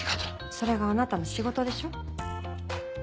それがあなたの仕事でしょ？